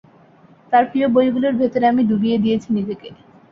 তার প্রিয় বইগুলোর ভেতরে আমি ডুবিয়ে দিয়েছি নিজেকে।